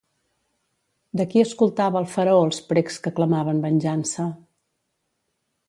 De qui escoltava el faraó els precs que clamaven venjança?